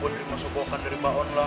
gue nerima sopokan dari bawon lah